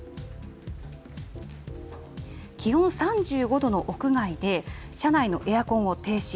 気温３５度の屋外で、車内のエアコンを停止。